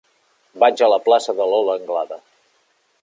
Vaig a la plaça de Lola Anglada.